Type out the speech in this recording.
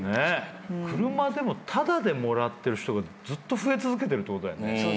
車タダでもらってる人がずっと増え続けてるってことだよね。